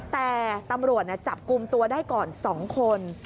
แต่ตำรวจจับกลุ่มตัวได้ก่อน๒คน